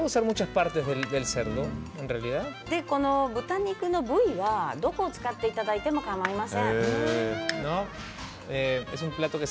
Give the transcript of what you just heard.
豚肉の部位は、どこを使っていただいてもかまいません。